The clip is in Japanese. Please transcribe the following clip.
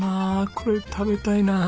これ食べたいなあ。